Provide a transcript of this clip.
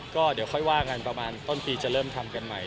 ก็เดี๋ยวค่อยว่ากันประมาณต้นปีจะเริ่มทำกันใหม่